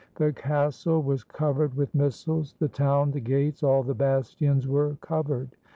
The castle was covered with missiles; the town, the gates, all the bastions were covered.